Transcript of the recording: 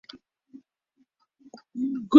Cuando está blanda, puede añadirse azúcar si se desea.